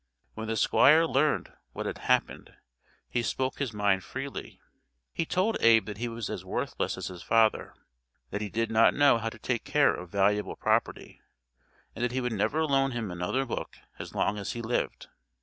When the Squire learned what had happened he spoke his mind freely. He told Abe that he was as worthless as his father, that he did not know how to take care of valuable property, and that he would never loan him another book as long as he lived.